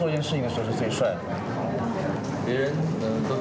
มีความสงสัยมีความสงสัย